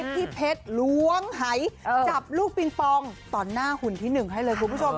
พี่เพชรล้วงหายจับลูกปิงปองต่อหน้าหุ่นที่๑ให้เลยคุณผู้ชม